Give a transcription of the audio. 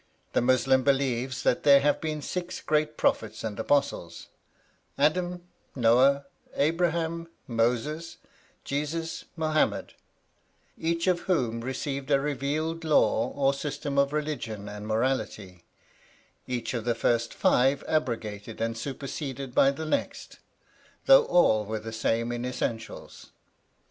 The Muslim believes that there have been six great Prophets and Apostles—Adam, Noah, Abraham, Moses, Jesus, Mohammed; each of whom received a revealed law or system of religion and morality, each of the first five abrogated and superseded by the next, though all were the same in essentials.